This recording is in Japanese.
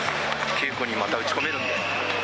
稽古にまた打ち込めるんで。